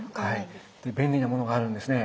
便利なものがあるんですね。